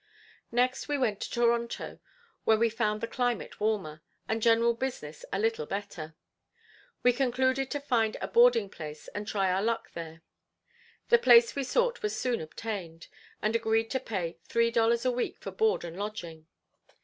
Next we went to Toronto where we found the climate warmer, and general business a little better. We concluded to find a boarding place and try our luck there. The place we sought was soon obtained, and agreed to pay three dollars a week for board and lodging.